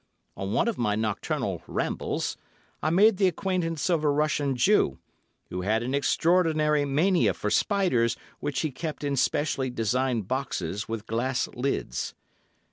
On one of my nocturnal rambles, I made the acquaintance of a Russian Jew, who had an extraordinary mania for spiders, which he kept in specially designed boxes with glass lids.